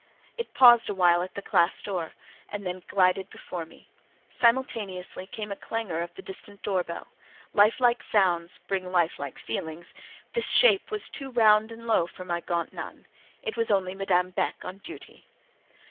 It paused a while at the classe door, and then it glided before me. Simultaneously came a clangor of the distant door bell. Life like sounds bring life like feelings: this shape was too round and low for my gaunt nun: it was only Madame Beck on duty.